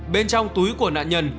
bên trong túi của nạn nhân